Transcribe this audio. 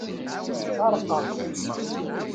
Tareqqaqt.